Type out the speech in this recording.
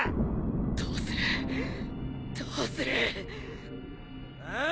どうするどうする・あぁ？